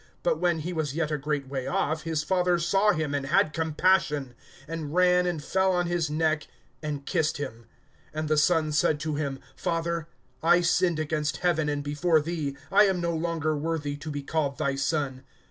But when he was yet a great way off, his father saw him and had compassion, and ran and fell on his neck, and kissed him. (21)And the son said to him: Father, I sinned against heaven, and before thee; I am no longer worthy to be called thy son.